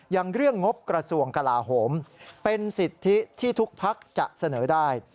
อย่างเรื่องงบกระทรวงกลาโหมเป็นสิทธิที่ทุกพักจะเสนอได้